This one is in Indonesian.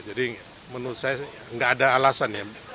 jadi menurut saya nggak ada alasan ya